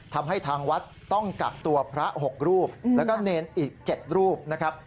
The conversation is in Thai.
ทำให้ทางวัดต้องกักตัวพระ๖รูปแล้วก็เนรอีก๗รูปนะครับ